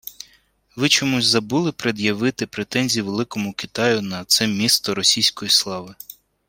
Ви чомусь забули пред'явити претензії великому Китаю на це «місто російської слави»